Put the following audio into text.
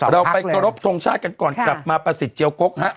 เราไปขอรบทรงชาติกันก่อนกลับมาประสิทธิเจียวกกฮะ